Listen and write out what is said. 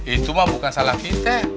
itu mah bukan salah kita